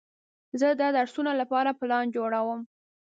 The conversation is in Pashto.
زه د درسونو لپاره پلان جوړوم.